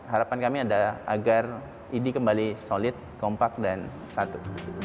harapan kami adalah agar idi kembali solid kompak dan satu